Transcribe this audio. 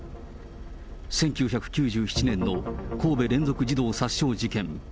１９９７年の神戸連続児童殺傷事件。